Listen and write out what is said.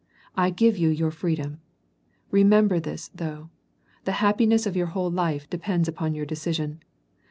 I give you your freedom. Remember this, though, the happiness of your whole life depends upon your decision.